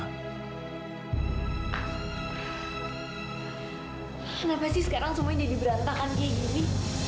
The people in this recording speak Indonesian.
kenapa sih sekarang semuanya jadi berantakan kayak gini